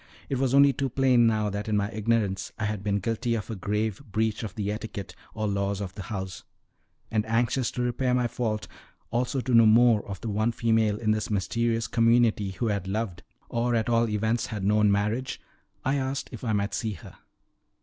It was only too plain now that in my ignorance I had been guilty of a grave breach of the etiquette or laws of the house; and anxious to repair my fault, also to know more of the one female in this mysterious community who had loved, or at all events had known marriage, I asked if I might see her.